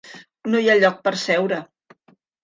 No hi ha lloc per seure.